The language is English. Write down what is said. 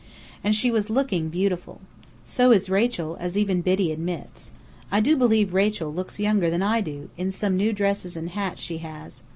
And she was looking beautiful. So is Rachel, as even Biddy admits. I do believe Rachel looks younger than I do, in some new dresses and hats she has.